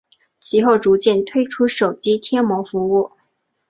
其后逐渐推出手机贴膜服务。